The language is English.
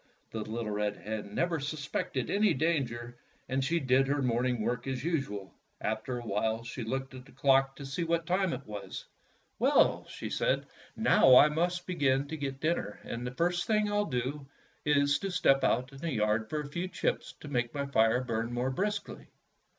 The little red hen never suspected any dan ger, and she did her morning work as usual. After a while she looked at the clock to see 4 Fairy Tale Foxes what time it was. ''Well," she said, "now I must begin to get dinner, and the first thing I 'll do is to step out into the yard for a few chips to make my fire burn more briskly."